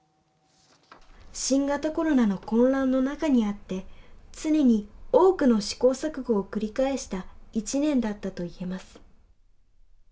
新型コロナの混乱の中にあって常に多くの試行錯誤を繰り返した１年だったといえます。